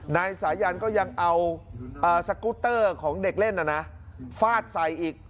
นายสายันก็ยังเอาสกุตเตอร์ของเด็กเล่นฟาดใส่อีก